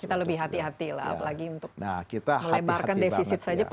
kita lebih hati hati lah apalagi untuk melebarkan defisit saja